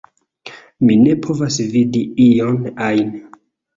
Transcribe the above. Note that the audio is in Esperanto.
Mi ne povas vidi ion ajn